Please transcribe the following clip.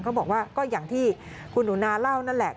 เขาบอกว่าก็อย่างที่คุณหนูนาเล่านั่นแหละ